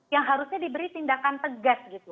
yang harusnya diberi tindakan tegas gitu